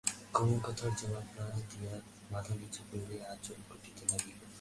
কুমু কথার জবাব না দিয়ে মাথা নিচু করে আঁচল খুঁটতে লাগল।